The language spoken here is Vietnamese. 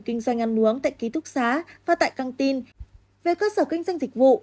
kinh doanh ăn uống tại ký túc xá và tại căng tin về cơ sở kinh doanh dịch vụ